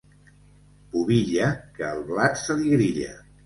Pubilla, que el blat se li grilla.